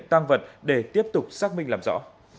tăng vật để tiếp tục xác minh làm rõ